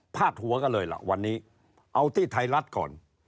ดหัวกันเลยล่ะวันนี้เอาที่ไทยรัฐก่อน